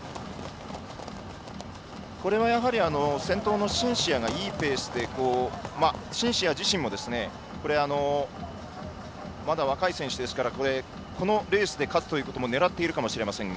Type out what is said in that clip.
これはやはり先頭のシンシア自身もまだ若い選手ですからこのレースで勝つということを狙っているかもしれません。